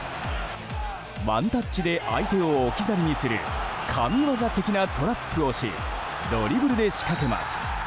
ワンタッチで相手を置き去りにする神業的なトラップをしドリブルで仕掛けます。